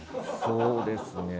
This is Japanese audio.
そうですね。